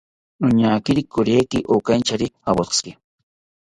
Noñakiri koriki okeinchari awotzi